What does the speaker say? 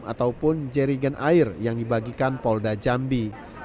ataupun jerigen air yang dibagikan polda jambi